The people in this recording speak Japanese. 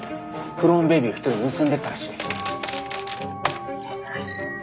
クローンベイビーを１人盗んでったらしい。